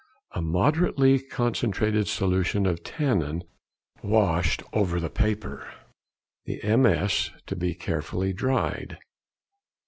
_—A moderately concentrated solution of tannin washed over the paper. The MS. to be carefully dried.